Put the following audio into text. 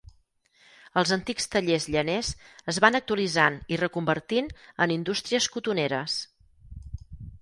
Els antics tallers llaners es van actualitzant i reconvertint en indústries cotoneres.